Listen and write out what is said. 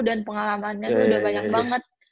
dan pengalamannya tuh udah banyak banget